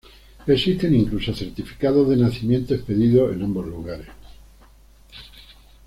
Existen incluso certificados de nacimiento expedidos en ambos lugares.